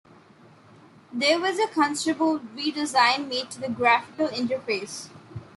There was a considerable re-design made to the graphical interface.